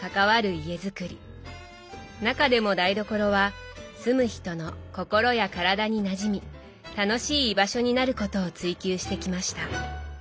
中でも台所は住む人の心や体になじみ楽しい居場所になることを追求してきました。